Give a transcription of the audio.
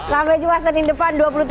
sampai jumpa senin depan